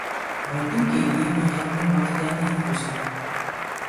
voting کے لیے کوئی حتمی وقت طے نہیں ہو سکا